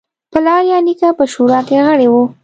پلار یا نیکه په شورا کې غړی و.